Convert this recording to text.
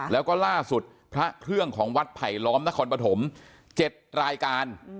แล้วก็ล่าสุดพระเครื่องของวัดไผลล้อมนครปฐม๗รายการ